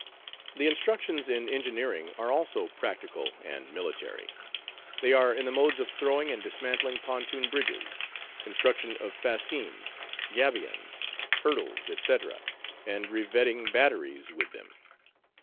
The instructions in engineering are also practical and military. They are in the modes of throwing and dismantling pontoon bridges, construction of fascines, gabions, hurdles, etc., and revetting batteries with them.